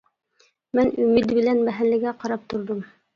مەن ئۈمىد بىلەن مەھەللىگە قاراپ تۇردۇم.